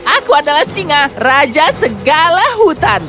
aku adalah singa raja segala hutan